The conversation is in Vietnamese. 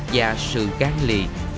và sự gán lì